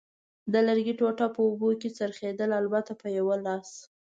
د لرګي ټوټه په اوبو کې څرخېدل، البته په یوه لاس.